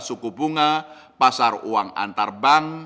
suku bunga pasar uang antarbank